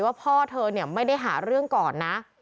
ว่าพ่อเธอเนี่ยไม่ได้หาเรื่องก่อนนะ